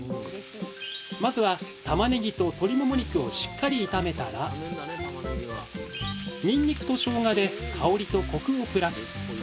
まずはたまねぎと鶏もも肉をしっかり炒めたらにんにくとしょうがで香りとコクをプラス！